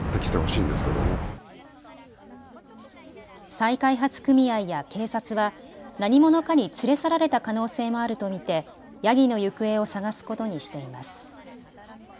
再開発組合や警察は何者かに連れ去られた可能性もあると見てヤギの行方を捜すことにしています。